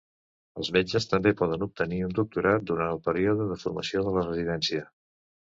Els metges també poden obtenir un doctorat durant el període de formació de la residència.